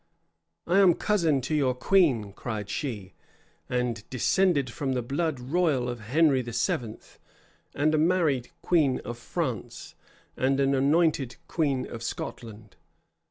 "I am cousin to your queen," cried she, "and descended from the blood royal of Henry VII., and a married queen of France, and an anointed queen of Scotland."